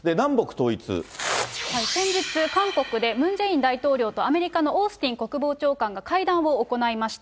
先日、韓国でムン・ジェイン大統領とアメリカのオースティン国防長官が会談を行いました。